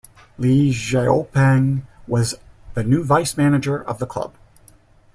Li Xiaopeng was the new vice manager of the club.